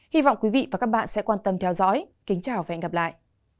hy vọng quý vị và các bạn sẽ quan tâm theo dõi kính chào và hẹn gặp lại